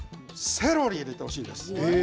セロリを入れてほしいんです。